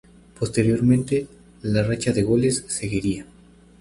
Posteriormente, la racha de goles seguiría.